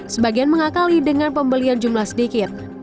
sebagian mengakali dengan pembelian jumlah sedikit